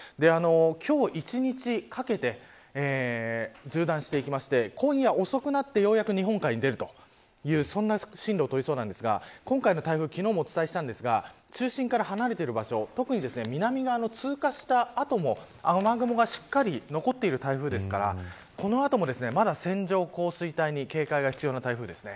今日一日かけて縦断していきまして今夜遅くなってようやく日本海に出るというそんな進路を取りそうなんですが今回の台風は昨日もお伝えしたんですが中心から離れている場所特に南側に通過した後も雨雲がしっかり残っている台風ですからこの後もまだ線状降水帯に警戒が必要な台風です。